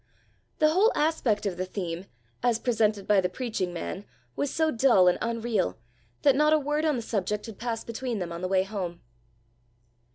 The whole aspect of the thing, as presented by the preaching man, was so dull and unreal, that not a word on the subject had passed between them on the way home.